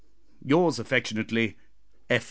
Yours affectionately, "F.